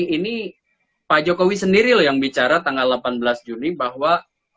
ini pak jokowi sendiri loh yang bicara tanggal delapan belas juni bahwa